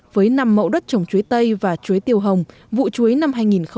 với năm mẫu đất trồng chuối tây và chuối tiêu hồng vụ chuối năm hai nghìn một mươi chín